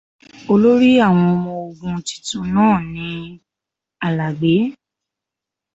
Olórí àwọn ọmọogun titun náà ni Àlàgbé.